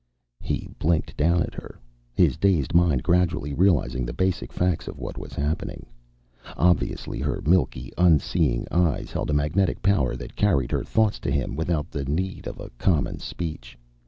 He blinked down at her, his dazed mind gradually realizing the basic facts of what was happening. Obviously her milky, unseeing eyes held a magnetic power that carried her thoughts to him without the need of a common speech.